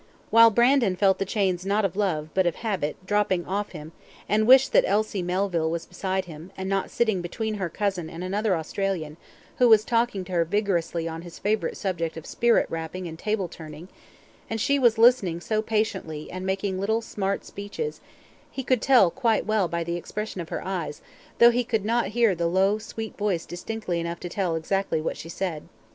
While Brandon felt the chains not of love, but of habit, dropping off him, and wished that Elsie Melville was beside him, and not sitting between her cousin and another Australian, who was talking to her vigorously on his favourite subject of spirit rapping and table turning, and she was listening so patiently, and making little smart speeches he could tell quite well by the expression of her eyes, though he could not hear the low sweet voice distinctly enough to tell exactly what she said.